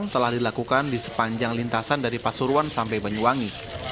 telah dilakukan di sepanjang lintasan dari pasuruan sampai banyuwangi